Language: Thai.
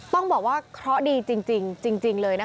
ต้องบอกว่าเคราะห์ดีจริงเลยนะคะ